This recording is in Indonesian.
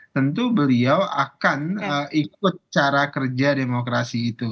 tentu beliau akan ikut cara kerja demokrasi itu